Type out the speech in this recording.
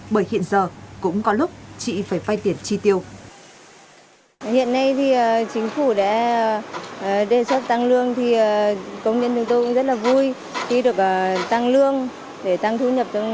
bởi hiện giờ cũng có lúc chị phải phai tiền chi tiêu